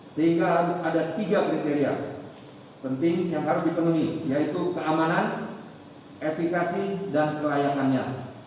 sehingga ada tiga kriteria penting yang harus dipenuhi yaitu keamanan epikasi dan kelayakannya